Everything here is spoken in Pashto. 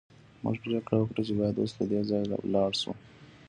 موږ پریکړه وکړه چې باید اوس له دې ځایه لاړ شو